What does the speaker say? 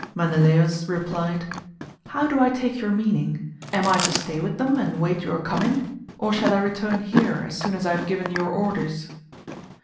Menelaus replied, "How do I take your meaning? Am I to stay with them and wait your coming, or shall I return here as soon as I have given your orders?"